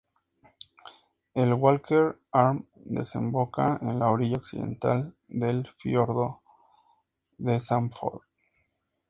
El Walker Arm desemboca en la orilla occidental del fiordo de Sam Ford.